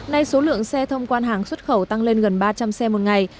nay số lượng xe thông quan hàng xuất khẩu tăng lên gần ba trăm linh xe một ngày